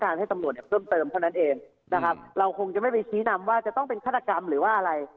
เราคงจะไม่ไปคีย์นำว่าจะต้องเป็นฆาตกรรมหรือว่าอะไร